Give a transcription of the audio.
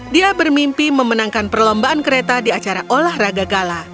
dia bermimpi memenangkan perlombaan kereta di acara olahraga gala